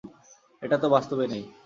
এটা তো বাস্তবে নেই।